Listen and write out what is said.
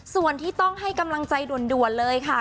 ส่วนที่ต้องให้กำลังใจด่วนเลยค่ะ